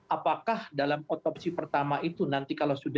apakah dalam otopsi pertama itu nanti kalau sudah